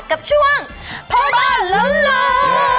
กับช่วงพ่อบ้านล้วน